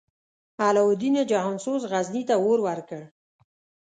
علاوالدین جهان سوز، غزني ته اور ورکړ.